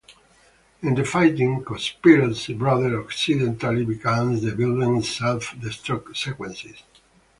In the fighting, Conspiracy Brother accidentally begins the building's self-destruct sequence.